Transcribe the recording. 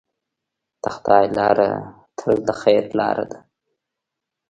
د خدای لاره تل د خیر لاره ده.